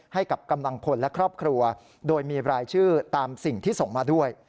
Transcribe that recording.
ให้กับกำลังพลและครอบครัวโดยมีรายชื่อตามสิ่งที่ส่งมาด้วย